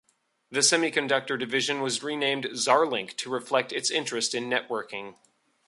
The semiconductor division was renamed Zarlink to reflect its interest in networking.